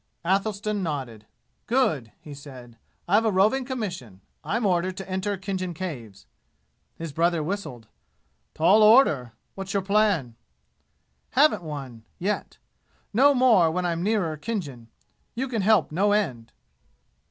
Athelstan nodded. "Good!" he said. "I've a roving commission. I'm ordered to enter Khinjan Caves." His brother whistled. "Tall order! What's your plan?" "Haven't one yet. Know more when I'm nearer Khinjan. You can help no end."